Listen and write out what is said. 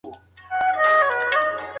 هغې د پیسو د زیاتولو لارې زده کړې وې.